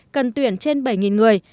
cần tuyển trên bảy người